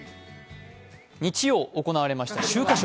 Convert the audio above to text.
日曜行われました秋華賞。